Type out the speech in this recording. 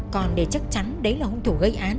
còn để chắc chắn đấy là hung thủ gây án